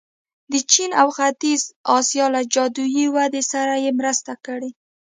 د چین او ختیځې اسیا له جادويي ودې سره یې مرسته کړې.